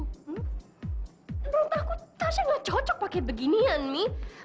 menurut aku tasya nggak cocok pakai beginian mie